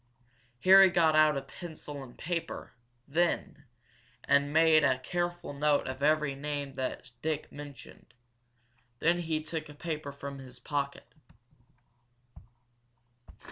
Harry got out a pencil and paper then, and made a careful note of every name that Dick mentioned. Then he took a paper from his pocket.